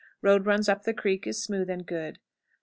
Road runs up the creek; is smooth and good. 12 3/4.